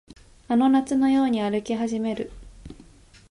あの夏のように歩き始める